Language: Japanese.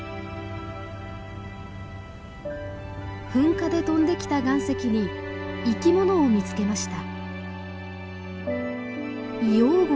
噴火で飛んできた岩石に生き物を見つけました。